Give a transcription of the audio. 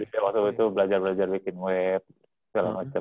jadi waktu itu belajar belajar bikin web segala macem